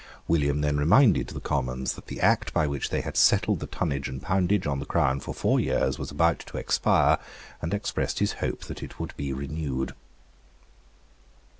William then reminded the Commons that the Act by which they had settled the tonnage and poundage on the Crown for four years was about to expire, and expressed his hope that it would be renewed.